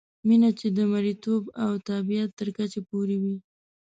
مینه چې د مریتوب او تابعیت تر کچې پورې وي.